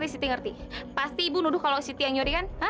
pasti siti ngerti pasti ibu nuduh kalau siti yang nyuri kan